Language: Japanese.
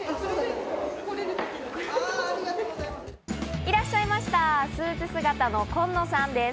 いらっしゃいました、スーツ姿のコンノさんです。